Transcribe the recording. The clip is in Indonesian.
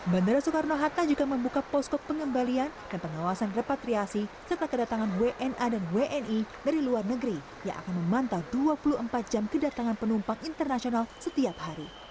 bandara soekarno hatta juga membuka posko pengembalian dan pengawasan repatriasi serta kedatangan wna dan wni dari luar negeri yang akan memantau dua puluh empat jam kedatangan penumpang internasional setiap hari